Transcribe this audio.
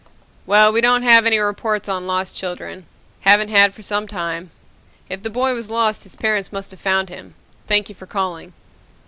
"Well, we don't have any reports on lost children. Haven't had for some time. If the boy was lost his parents must have found him. Thank you for calling."